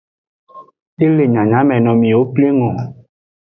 De le nyanyamenomiwo pleng o.